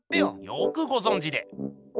よくごぞんじで。